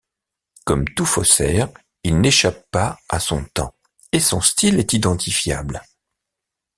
Comme tout faussaire, il n’échappe pas à son temps, et son style est identifiable.